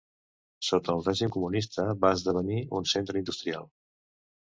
Sota el règim comunista va esdevenir un centre industrial.